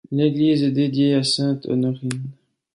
L'église est dédiée à sainte Honorine.